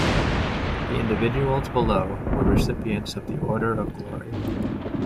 The individuals below were recipients of the Order of Glory.